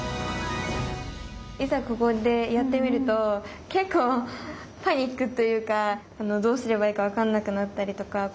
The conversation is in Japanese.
いざここでやってみると結構パニックというかどうすればいいか分かんなくなったりとか。